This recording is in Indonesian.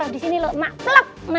disini lo makhluk